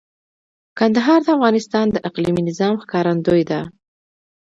کندهار د افغانستان د اقلیمي نظام ښکارندوی ده.